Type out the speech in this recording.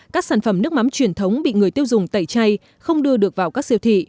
các sản phẩm nước mắm truyền thống bị người tiêu dùng tẩy chay không đưa được vào các siêu thị